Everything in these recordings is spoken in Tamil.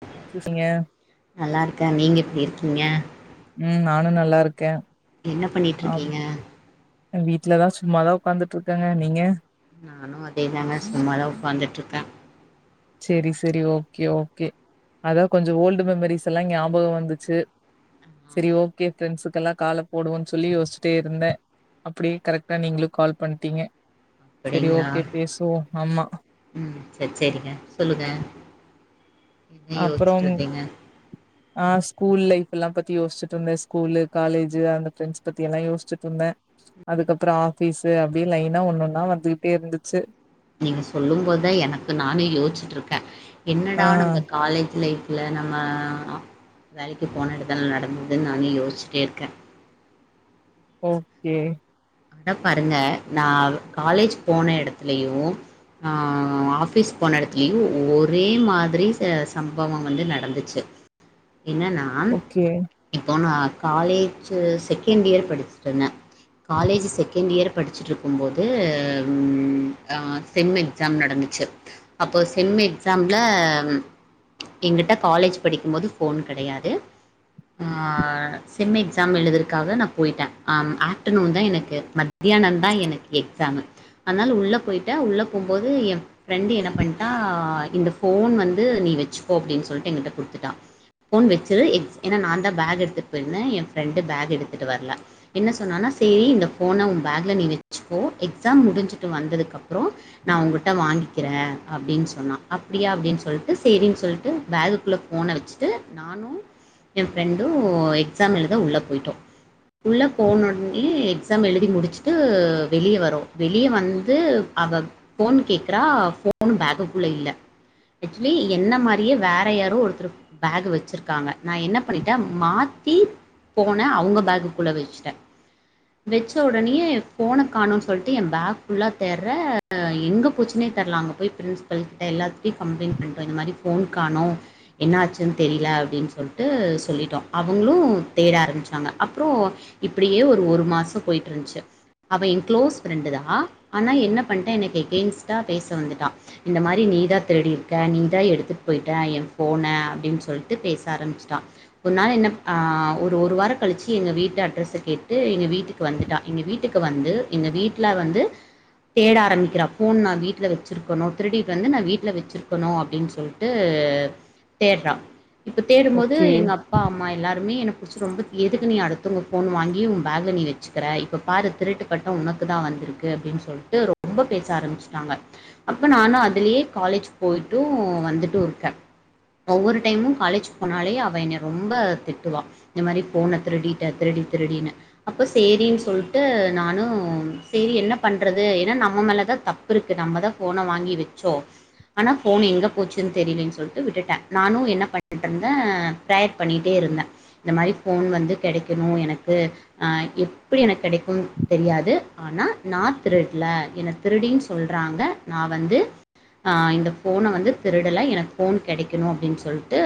[inaudible] நல்லாருக்கேன் நீங்க எப்புடி இருக்கீங்க உம் நானும் நல்லா இருக்கேன் என்ன பண்ணிட்டுருக்கீங்க வீட்டுலதான் சும்மாதான் உட்கார்ந்துட்டு இருக்கேங்க நீங்க நானும் அதேதாங்க சும்மாதான் உக்காந்துட்றுக்கேன் சரி சரி ஓகே ஓகே அதான் கொஞ்சம் ஓல்டு மெமரிஸ் எல்லாம் ஞாபகம் வந்துச்சு ஆ சரி ஓகே ஃப்ரெண்ட்ஸுக்கு எல்லாம் கால போடுவன்னு சொல்லி யோசிச்சுட்டே இருந்தேன் அப்படியே கரெக்ட்டா நீங்களும் கால் பண்ணிட்டீங்க செரி அப்படிங்களா ஓகே பேசுவோம் ஆமா ம் சரி சரிங்க சொல்லுங்க என்ன யோசிச்சுட்டு அப்பறம் இருந்தீங்க ஆ ஸ்கூல் லைப் எல்லாம் பத்தி யோசிட்டுருந்தேன் ஸ்கூலு காலேஜு அந்த ஃப்ரண்ட்ஸ் பத்தி எல்லாம் யசிட்டுறுந்தேன் அதுக்கப்பறோம் பீஸு அப்டியே லைனா ஒண்ண ஒன்னா வந்துகிட்டே இருந்துச்சு நீங்க சொல்லும் போது தான் எனக்கு நானே யோசிச்சுட்டு இருக்கேன் ஆ என்னடா நம்ம காலேஜ் லைஃப் இல்ல நம்ம வேலக்கு போன இடத்துல்லாம் நடந்ததுன்னு நானே யோசிச்சிட்டே இருக்கேன் ஓகே அட பாருங்க நான காலேஜ் போன இடத்துலயும் ஆ ஆபீஸ் போன இடத்துலயும் ஒரே மாதிரி சம்பவம் வந்து நடந்துச்சு என்னன்னா ஓகே இப்போ ந காலேஜ் செகண்ட் இயர் படிச்சட்டுந்தேன் காலேஜ் செகண்ட் இயர் படிச்சட்டுருக்கும்போது செம் எக்ஸாம் நடந்துச்சு அப்போ செம் எக்ஸாமில் எங்கிட்ட காலேஜ் படிக்கும்போது ஃபோன் கெடையாது செம் எக்ஸாம் எழுதுதுக்காக நான போய்ட்டேன் ஆஃப்டர்நூன் தான் எனக்கு மத்தியானம் தான் எனக்கு எக்ஸாமு அதனால் உள்ள போயிட்டால் உள்ள போகும்போது என் ஃப்ரெண்டு என்ன பண்ணிட்டால் இந்த ஃபோன் வந்து நீ வச்சுக்கோ அப்டின்னு சொல்லிட்டு என்கிட்ட கொடுத்துட்டான் ஃபோன் வச்சுரு எக் ஏன்னா நான் தான் பேக் எடுத்துகிட்டு போயிருந்தேன் என் ஃப்ரெண்டு பேக் எடுத்துகிட்டு வரல என்ன சொன்னான்ன்னா சரி இந்த போன உன் பேக்ல நீ வச்சுக்கோ எக்ஸாம் முடிஞ்சிட்டு வந்ததுக்க அப்பறம் நான உங்கிட்ட வாங்கிக்கிறேன் அப்டின்னு சொன்னா அப்டியா அப்டின்னு சொல்லிட்டு சரின்னு சொல்லிட்டு பேகுக்குள்ளே போஃபனை வச்சுட்டு நானும் என் ஃப்ரெண்டும் எக்ஸாம் எழுத உள்ளே போயிட்டோம் உள்ள போனோடனே எக்ஸாம் எழுதி முடிச்சுட்டு வெளியே வரும் வெளிய வந்து அவ போன் கே்கறா போன் பேகுக்குள்ள இல்ல ஆக்சுவலி என்ன மாரியே வேற யாரும் ஒருத்தர் பேக் வச்சிருக்காங்க நான என்ன பண்ணிட்டேன் மாத்தி போன அவங்க பேக்குக்குள்ள வச்சுட்டேன் வச்ச உடனே ஃபோனை காணோனும் சொல்லிட்டு என் பேக் ஃபுல்லாக தேர்ற எங்க போச்சினே தெர்ல அங்கே போய் பிரின்ஸ்பல்கிட்ட எல்லாத்துட்டயையும் கம்ப்ளைண்ட் பண்ணிட்டோம் இந்த மாரி ஃபோனு காணும் என்ன ஆச்சுன்னு தெரியல அப்டின்னு சொல்லிட்டு சொல்லிட்டோம் அவங்களும் தேட ஆரம்பிச்சிட்டாங்க அப்பறம் இப்டியே ஒரு ஒரு மாசம் போய்ட்டுருந்துச்சி அவ ஏன் குளோஸ் ஃப்ரண்ட்டு தான் ஆனா என்ன பன்டா எனக்கு எகைன்ஸ்டா பேச வந்துட்டா இந்த மாரி நீதான் திருடிருக்க நீதான் எடுத்துட்டு போய்ட ஏன் ஃபோன அப்டினு சொல்ட்டு பேச ஆரம்பிச்சுட்டா ஒரு நாள் என்னப்பன் அஹ்ன் ஒரு ஒருவாரோ களிச்சி எங்க வீட்டு அட்ரஸ கேட்டு எங்க வீட்டுக் வந்துட்டா எங்க வீட்டுக்கு வந்து எங்க வீட்டுல வந்து தேட ஆரம்பிக்கிறா போன் நான் வீட்டுல வச்சிருக்கணோ திருடிட்டு வந்து நான் வீட்டுல வச்சிருக்கணோ அப்படின்னு சொல்லிட்டு தேடுறா இப்ப தேடும்போது ஓகே எங்க அப்பா அம்மா எல்லாருமே என்ன புடிச்சி ரொம்ப திட் எதுக்கு நீ அடுத்தவுங்க போன் வாங்கி உ பேக்ல வச்சு இப்ப பாரு திருட்டு பட்டம் உனக்கு தான் வந்திருக்கு அப்டின்னு சொல்லிட்டு ரொம்ப பேச ஆரம்பிச்சட்டாங்க அப்ப நானும் அதுலயே காலேஜ் போயிட்டும் வந்துட்டும் இருக்கேன் ஒவ்வொரு டைமும் காலேஜ் போனாலே அவ என் ரொம்ப திட்டுவா இந்த மாரி போனை திருடி திருடி திருடினு அ செரின்னு சொல்லிட்டு நானும் செரி என்ன பண்ணுறது ஏன்னா நம்ம மேலே தான் தப்பு இருக்குது நம்ம தான் ஃபோனை வாங்கி வச்சோம் ஆனா ஃபோன் எங்கே போச்சுன்னு தெரியலேன்னு சொல்லிட்டு விட்டுட்டேன் நானும் என்ன பண்ணருந்தேன் ப்யர் பண்ணிகிட்டே இருந்தேன் இந்த மாரி ஃபோன் வந்து கெடைக்கணும் எனக்கு ஆ எப்டி எனக்கு கெடைக்கும் தெரியாது ஆனால் நான் திருடலை என திருடின்னு சொல்கிறாங்க நான வந்து இந்த ஃபோனை வந்து திருடல எனக்கு ஃபோன் கெடைக்கணும் அப்டின்னு சொல்லிட்டு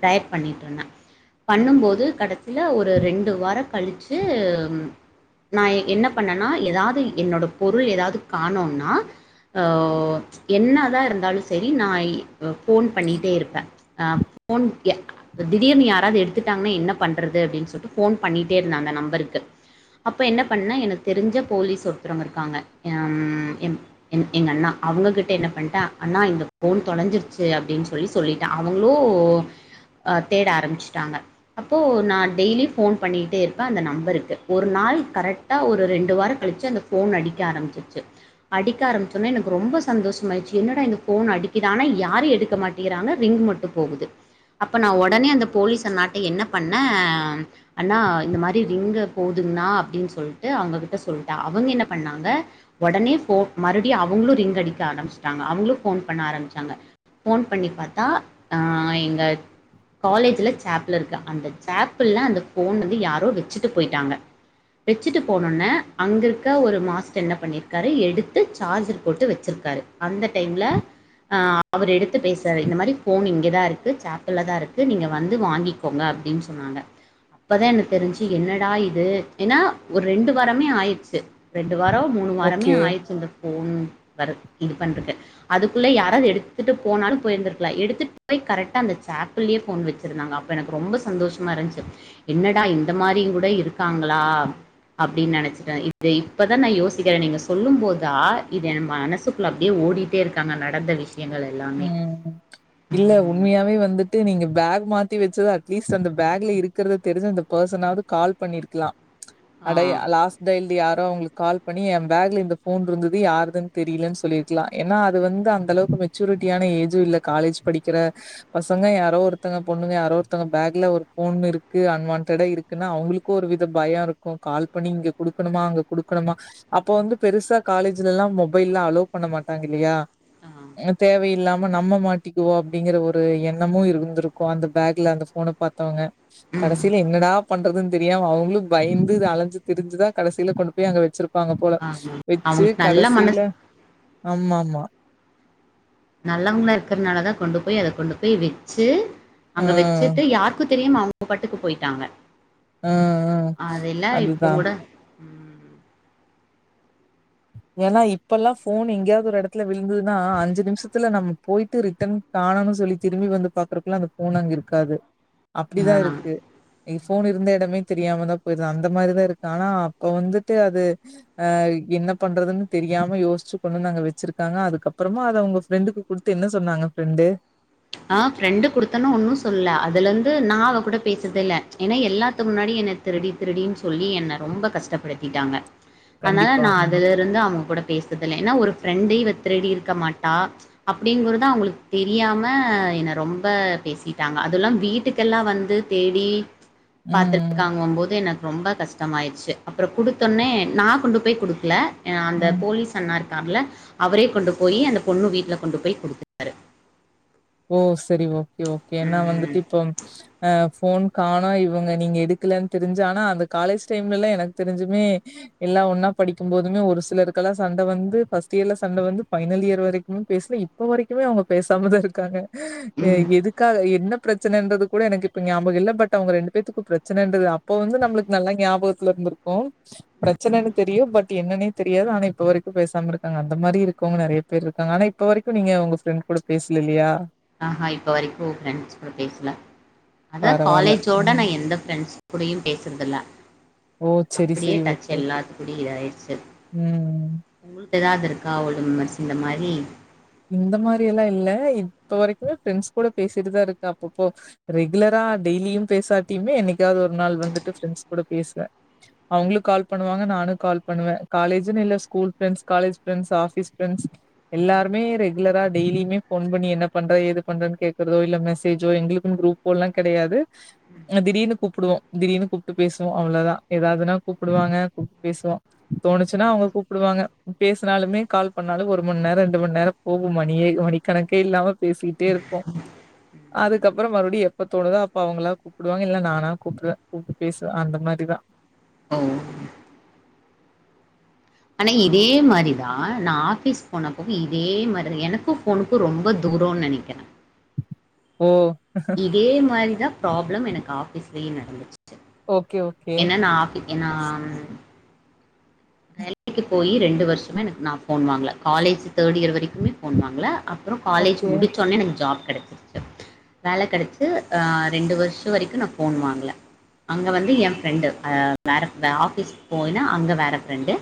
பிரேயர் பண்ணட்டுருந்தேன் பண்ணும்போது கடைசியல ஒரு ரெண்டு வாரம் கழிச்சு நான என்ன பண்ணேனா ஏதாவது என்னோட பொருள் ஏதாவது காணோனாஹ என்னதான் இருந்தாலும் சரி நான ஃபோன் பண்ணிட்டே இருப்பேன் ஃபோன் திடீர்னு யாராவது எடுத்துட்டாங்கா என்ன பண்றது அப்படின்னு சொல்லட்டுஃபோன் பண்ணிட்டே இருந்தன் அந்த நம்பருக்கு அப்போ என்ன பண்ணா எனக்கு தெரிஞ்ச போலீஸ் ஒருப்பறவங்க இருக்காங்க அஹ எங்க அண்ணா அவங்க கிட்ட என்ன பண்ணிட்டேன் அண்ணா இந்த போன் தொலைஞ்சிருச்சு அப்டின்னு சொல்லி சொல்லிட்டேன் அவங்களும் அ தேட ஆரம்பிச்சட்டாங்க அப்போ நான் டெய்லி போன் பண்ணிட்டே இருப்பேன் அந்த நம்பருக்கு ஒரு நாள் கரெக்டா ஒரு ரெண்டு வாரம் கழித்து அந்த ஃபோன் அடிக்க ஆரம்பிச்சிடுச்சு அடிக்க ஆரம்பிச்சோனே எனக்கு ரொம்ப சந்தோஷம் ஆயிடுச்சு என்னடா இந்த ஃபோன் அடிக்குதானா யாரும் எடுக்க மாட்டேங்கிறாங்க ரிங் மட்டும் போகுது அப்போ நான உடனே அந்த போலீஸ் நாட்ட என்ன பண்ணேன் ஆண்ணால் இந்த மாரி ரிங்கை போதுங்கண்ணா அப்டின்னு சொல்லிட்டு அவங்ககிட்ட சொல்லிட்டா அவங்க என்ன பண்ணாங்க உடனே போ மறுபடியும் அவங்களும் ரிங் அடிக்க ஆரம்பச்சட்டாங்க அவங்களும் போஃபன் பண்ண ஆரம்பிச்சாங்க போன் பண்ணி பாத்தா எங்க காலேஜல சேப்பில் இருக்கு அந்த சாப்பள் அந்த போன் வந்து யாரோ வச்சுட்டு போயிட்டாங்க வச்சுட்டு போனன அங்க இருக்க ஒரு மாஸ்டர் என்ன பண்ணிருக்காரு எடுத்து சார்ஜர் போட்டு வச்சிருக்காரு அந்த டைம்ல அஹ அவர் எடுத்து பேசுறரு இந்த மாதிரி போன் இங்கேதான் இருக்கு சாப்பல தான் இருக்கு நீங்க வந்து வாங்கிக்கோங்க அப்படின்னு சொன்னாங்க அப்பதான் எனக்கு தெரிஞ்சு என்ன ஆயுது ஏன்னா ஒரு ரெண்டு வாரமே ஆயிடுச்சு ரெண்டு வாரம் மூணு ஓகே. வாரமேயிச்சு இந்த போன் வர இது பன்றது அதுக்குள்ள யாரோ எடுத்துட்டு போனாலும் போயிருந்திருக்கல எடுத்துட்டு போய் கரெக்ட்டா அந்த சாப்ளையே போன் வச்சிருந்தாங்க அப்ப எனக்கு ரொம்ப சந்தோஷமா இருந்துச்சு என்னடா இந்த மாதிரி கூட இருக்காங்களா அப்படின்னு நினைச்சசிட்டேன் இத இப்பதான் நான் யோசிக்கிறனே நீங்க சொல்லும் போதா இத மனசுகுள்ள அப்டியே ஓடிட்டே இருக்காங்க நடந்த விஷ் உம் இல்ல உம் உண்மையாவே வந்து [unintelligible] நீங்க பேக் மாத்தி வச்சத அட்லீஸ்ட் அந்த பேக்ல இருக்கறத தெரிஞ்சவங்களுக்கோ சொன்னாவது கால் பண்ணிருக்கலாம் ஆ, அட லாஸ்ட இல் யார் அவங்களுக்கு கால் பண்ணி என்பாக்ல இந்த போன் இருந்தது யாருதுன்னு தெரியல சொல்லிருக்கலாம் ஏன அது வந்து அந்த அளவுக்கு மெச்சூரிட்டியான ஏஜும் இல்ல காலேஜ் படிக்கிற பசங்க யாரோ ஒருத்தங்க பொண்ணுங்க யாரோ ஒருத்தங்க பேக்ல ஒரு போன் இருக்கு அன்வான்டடா இருக்குன்னா அவங்களுக்கும் ஒரு வித பயம் இருக்கும் கால் பண்ணி இங்க குடுக்கணுமா அங்க குடுக்கணுமா அப்ப வந்து பெருசா காலேஜ்ல எல்லாம் மொபைல்லாம் அலோ பண்ண மாட்டாங்க இல்லையா ஆஹ் தேவையில்லாம நம்ம மாட்டிக்குவோம் அப்படிங்கிற ஒரு எண்ணமும் இருந்திருக்கும் அந்த பேக்ல அந்த போன பார்த்தவங்க உம், கடைசியில என்னடா பண்றது தெரியும அவங்களும் பயிந்து அலைஞ்சு திரிஞ்சுதான் கடைசில கொண்டு போய் அங்க வச்சிரு ப்பாங்க போல ஆமா. வச்சு அவங்களுக்கு நல்ல மனசு கடைசியில ஆமா மா நல்லவங்களாம் இருக்கிறதுனால தான் கொண்டு போய் அத கொண்டு போய் வச்சு அங்க ம் வச்சுட்டு யாருக்கு தெரியும் அவங்க ப்பட்டுக்கு போயிட்டாங்க ஹ ஹ அதெல்லாம் இப்போ அதுதான் கூட உம், ஏன்னா இப்ப எல்லாம் போன் எங்கேயாவது ஒரு இடத்துல விழுந்ததுன்னா அஞ்சு நிமிஷத்துல நம்ம போயிட்டு ரிட்டன் காணும்னு சொல்லி திரும்பி வந்து பாக்குறக்கு எல்லாம் அந்த போன் அங்க இருக்காது ஆ அப்படிதான் இருக்கு போன் இருந்த இடமே தெரியாம தான் போயிருது அந்த மாதிரிதான் இருக்கு ஆனா அப்ப வந்துட்டு அது ஆஹ் என்ன பண்றதுன்னு தெரியாம யோசிச்சு கொன்னு நாங்க வச்சிருக்காங்க அதுக்கப்புறமா அதை உங்க ஃப்ரெண்டுக்கு குடுத்து என்ன சொன்னாங்க ஃப்ரெண்டு ஆஹ் ஃரெண்டு கொடுத்தன்னும் ஒன்னும் சொல்ல அதுல இருந்து நான் அவ கூட பேசுறத இல்ல ஏன்னா எல்லாத்து முன்னாடி என்ன திருடி திருடனு சொல்லி என்ன ரொம்ப கஷ்டப்படுத்திட்டாங்க அதனால கண்டிப்பா நான் ம் அதுல இருந்து அவங்க கூட பேசுதல ஏன்னா ஒரு பிரெண்டு இவ திரடி இருக்க மாட்டா அப்படிங்கறத அவங்களுக்கு தெரியாம ஹ என் ரொம்ப பேசிட்டாங்க அதெல்லாம் வீட்டுக்கெல்லாம் வந்து தேடி ம் பாத்துட்டுக்கங்க போது எனக் ரொம்ப கஷ்டமாயிடுச்சு அப்புறம் குடுத்தோனே நான் கொண்டு போய் குடுக்கல யா அந்த ம். போலீஸ் அண்ணா காருல அவரே கொண்டு போய் அந்த பொண்ணு வீட்ல கொண்டு போய் கொடுத்தாரு ஓ சரி ஓ ஓகே ஏன்னா வந்துட்டு இப்போ அஹ் போன் காணம் இவங்க நீங்க எடுக்கலன்னு தெரிஞ்சு ஆனா அந்த காலேஜ் டைம்லல்லாம் எனக்கு தெரிஞ்சுமே எல்லா ஒன்னா படிக்கும் போதுமே ஒரு சிலருக்கெல்லாம் சண்டை வந்து ஃபர்ஸ்ட் இயர்ல சண்டை வந்து பஃபைனல் இயர் வரைக்குமே பேசல இப்ப வரைக்குமே அவங்க பேசாமதான் இருக் காங்க ம் எதுக்காக என்ன பிரச்சனைன்றது கூட எனக்கு இப்ப ஞாபகம் இல்ல பட் அவங்க ரெண்டு பேர்க்கும் பிரச்சனைது அப்ப வந்து ந நல்லா ஞாபகத்துல இரு இருக்கும் பிரச்சனை தெரியும் பட் என்னே தெரியாது ஆனா இப்ப வரைக்கும் பேசாம இருக்காங்க அந்த மாதிரி இருங்க நைய பே இருக்காங்க ஆனா இப்ப வரைங்கங்கண்ட் கூ இங்குல்லயா ஆஹா ஹய் பவர்இப்ப வரைக்கும் ஓ பிரெண்ட கூட பேசல அதான் பரவால்ல. காலேஜோட ம். நான் எந்த ஃப்ரெண்ட்ஸ் கூடுயும் பேசுறதலா ஓ சரி சரி ஓகே ஓகே இதாயிடுச்சு உம்உம் உங்களுக்கு ஏதாவது இருக்கா அவ்வளவு விமர்சி இந்த மாதிரி இந்த மாதிரி எல்லாம் இல்ல இப்ப வரைக்குமே பிரண்ஸ் கூட பேசிட்டுதான் இருக்கு அப்பப்போ ரெகுலரா டெய்லியும் பேசாட்டுமே என்னைக்காவது ஒரு நாள் வந்துட்டு இண்னைக் கூட பேசுவேன் அவங்களும் கால் பண்ணுவாங்க நானும் கால் பண்ணுவேன் காலேஜனு இல்ல ஸ்கூல் காஜ்பஸ் எல்லார இப்பவுமே ரெகுலரா டெய்லியுே போன் பண்ணி என்ன பண்றது பண்ற கேக்குறதோ இல்ல மெசேஜோ எங்களுக்கு குரூப்போ எல்லாம் கிடையாது திடீனு கூப்பிடுவோம் திடீர்னு கூப்பிட்டு பேசுவோம் அவ்ளோதான் ஏதாவதுனா கூப்பிடுவாங்க கூப்பிட்டு பேசுவ தோணுச்சுன்னா அவங்க கூப்பிடுவாங்க பேசனாலுமே கால் பண்ணாலும் ஒரு மணி நேரம் இரண்டு மணி நேரம் போகும் மணியே மணிக்கணக்கே இல்லாம பேசிக்கிட்டே இருப்போம் அதுக்கப்புறம் மறுபடியும் எப்ப தோணுதோ அப்ப அவங்களா கூப்பிடுவாங்க இல்ல நானா கூப்பிடுவேன் கூப்பிட்டு பேசுவேன் அந்த மாதிரிதான் ஓ ஆனா இதே மாதிரிதான் நான் ஆபீஸ் போன போக இதே மாதிரி எனக்கும் போனுக்கும் ரொம்ப தூரம்னு நினைக்கிறேன் ஓ இதே மாதிரி தான் ப்ராப்ளம் எனக்கு ஆபீஸ் இப்பவே நடந்துச்சு ஓகே ஓகே நா ஆஃபி ஏன்னா வேலைக்கு போய் ரெண்டு வருஷமே எனக்கு நான் போன் வாங்கேன் காலேஜ் தேர்டுஇயர் வரைக்குமே போன் வாங்கல அப்புறம் காலேஜ ஓகே முடிச்சொன்ன எனக்கு ஜாப் கிடைக்சு வேலை கிடைச்சுரெண்டு வருஷம் வரைக்கும் நான் போன் வாங்கல அங்க வந்து என் பிரெண்டு வேற ஆபீஸ் போயினா அங்க வேற பிரெண்டு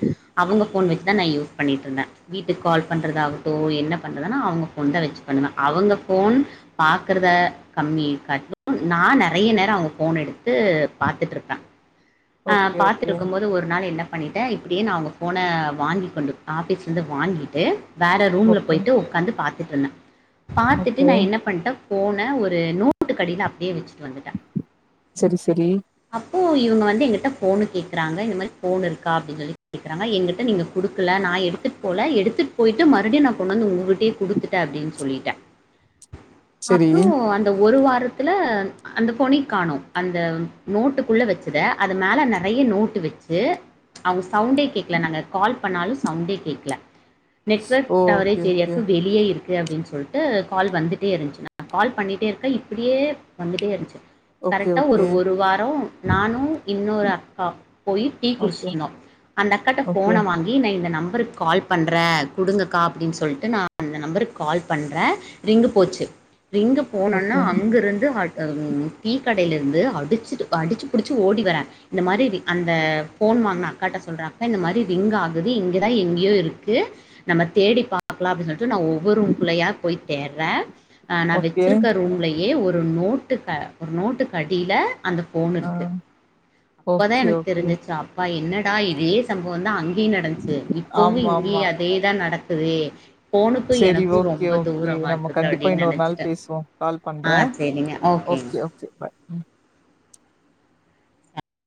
அவங்க போன் வச்சு அவங்கன் நான் யூஸ் பண்ணிட்டு இருந்தேன் வீட்டுக்கு கால் பண்றத ஆாகட்டும் என்ன பண்றதானா அவங்க போன் தான் வச்சு பண்ணுவேன் அவங்க போன் பாக்கறத கம்மிிய இருக்காட்டும் நான் நிறைய நேரம் அவங்க போன் எடுத்து பாாரத்துட்டு இருப்பேன் ஆஹ் ஓகே ஓகே பாத்துருக்கும் போது ஒரு நாள் என்ன பண்ணிவிட்டேன் இப்படியே நான் உங்கள் ஃபோனை வாங்கி கொண்டு ஆபீஸ்லேருந்து வாங்கிட்டு வேற ரூம்ல ஓகே போயிட்டு உட்காந்து பார்த் குட்த்தர்லா பாத்துட்டு ஓகே நா என்ன பண்ட்டே போனே ஒரு நோட்டுக்கு அடியில அப்டியே வச்சு சரி சரி ப்போ இவங்க வந் எங்கிட்ட ஃபோன் கேக்குறாங்க இந்த மாரி ஃபோன் இருக்கா அப்டின்னு சொல்லி கேக்குறாங்க என்கிட்ட நீங்க குடுக்கல நா எடுத்துட் போகல எடுத்துட் போயிட்டு மறுபடியு நா கொண்டு வந்து உங்ககிட்டயே குடுத்துட்ட அப்டின்னு சொ சொல்லிட்ட சரி அப்றோ அந்த ஒரு வார் ன்றத்துல அந்த ஃபோனையு காணோ அந்த நோட்டுக்குள்ள வச்சத அது மேல நெறைய நோட்டு வச்சு அது சவுண்டே கேக்கல நாங்க கால் பண்ணாலு சவுண்டே கேக்கல நெட்வொர்க் ஓ ஓகே கவரேஜ் ஓகே எரியாக்கு வெளியே இருக் க்கு அப்டின்னு சொல்ட்டு கால் வந்துட்டே இருந்துச்சு நா கால் பண்ணிட்டே இருக்கே இப்டியே வந்துட்டே இருந்துச்சு ஓகே கரெக்டா ஒரு ஓகே ஒரு வாரோ நானும் இன்னொரு அக்கா போய் டீ ஓகே குடிச்சிருந்தோம் அந்த அக்காட்ட போன ஓகே வாங்கி இந்த நம் நம்பருக்கு கால் பண்ற குடுங்கக்கா அப்டின்னு சொல்ட்டு நான் அந்த நம்பருக்கு கால் பண்றே ரிங்கு போச்சு ரிங்கு போனவுட்னே ஓகே அங்க இருந்து [unintelligible] அது டீக்கடையில இருந்து அடிச்சிட்டு அடிச்சு புடிச்சு ஓடி வரே இந்த மாரி அந்த ஃபோன் வாங்குன அக்காட்ட சொல்ற அக்கா இந்த மாரி ரிங் ஆகுது இங்கதா எங்கயோ இருக்கு நம்ம தேடி பாக்கலா அப்டினு சொன்னே ட்டு நா ஒவ்வொரு ரும்க்குல்லயா போய்ட் தேட்ற ஆ நான் ஓகே வச்சிருக்க ரூம்லையு ப்டியே ஒரு நோட்டுக்கு ஒரு நோட்டுக்கு அடியில அந்த ஃபோன் ஆ இருக்கு அப்பதா ஓகே எனக்கு ஓகே தெரிஞ்சிச்சு அப்பா ஆ என்னடா இதே சம்பவம்தா அங் [unintelligible] நடந்துச்சு இப்பவு ஆமா இங்கியு ஆமா அதேதா நடக் க்குது சரி ஓகே ஓகே நம்ம கண்டிப்பா அப்படின்னு இன்னொரு நாள் நினைச்சிட்டேன் பேசுவோ கால் ஆ பண்றே சரிங்க ஓகேங்க ஓகே ஓகே பாய் ம்